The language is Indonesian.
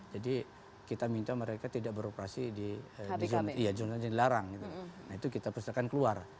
jadi kita minta mereka tidak beroperasi di zona yang dilarang itu kita persetakan keluar